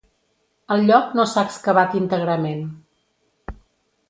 El lloc no s'ha excavat íntegrament.